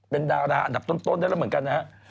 เป็นดาราอันดับต้นได้แล้วเหมือนกันนะครับ